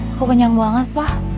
aku kenyang banget pa